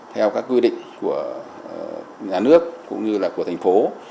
theo các quy định của nhà nước cũng như là của thành phố